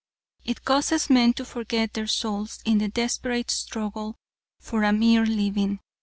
It causes men to forget their souls in the desperate struggle for a mere living.